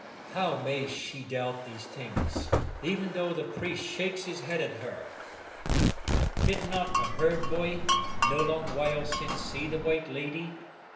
How may she doubt these things, even though the priest shakes his head at her? Did not a herd boy, no long while since, see the White Lady?